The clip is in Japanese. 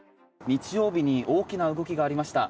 日曜日に大きな動きがありました。